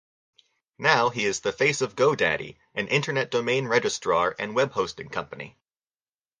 Now he is the face of GoDaddy, an internet domain registrar and web-hosting company.